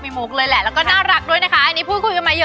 มีมุกมีมุกเลยแหละ